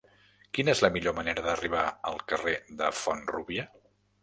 Quina és la millor manera d'arribar al carrer de Font-rúbia?